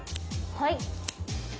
はい。